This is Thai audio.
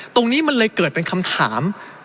ตรงนี้มันเลยเกิดเป็นคำถาม